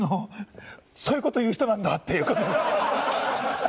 そういうこと言う人なんだってところがあります。